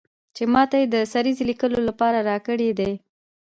چې ماته یې د سریزې لیکلو لپاره راکړی دی.